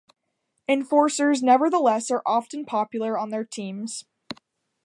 Enforcers nevertheless are often popular on their teams.